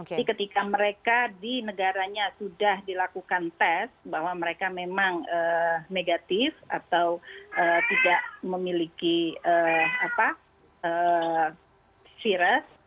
jadi ketika mereka di negaranya sudah dilakukan tes bahwa mereka memang negatif atau tidak memiliki virus